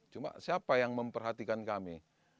cuma siapa yang memperhatikan kami